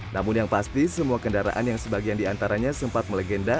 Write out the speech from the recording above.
namun yang pasti semua kendaraan yang sebagian diantaranya sempat melegenda